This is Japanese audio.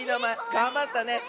がんばったね。